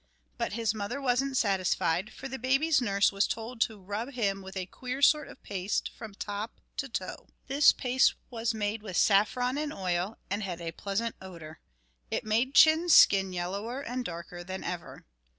But his mother wasn't satisfied, for the baby's nurse was told to rub him with a queer sort of paste from top to toe. This paste was made with saffron and oil, and had a pleasant odour. It made Chin's skin yellower and darker than ever.